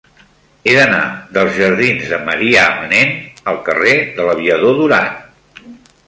He d'anar dels jardins de Marià Manent al carrer de l'Aviador Durán.